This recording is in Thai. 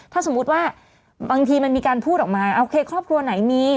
ถ้าสมมุติว่าบางทีมันมีการพูดออกมาโอเคครอบครัวไหนมี